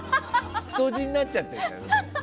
太字になっちゃってるよ。